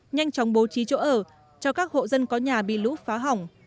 nhanh chóng bố trí chỗ ở cho các hộ dân có nhà bị lũ phá hỏng